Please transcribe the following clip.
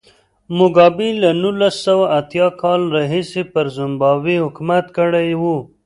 موګابي له نولس سوه اتیا کال راهیسې پر زیمبابوې حکومت کړی و.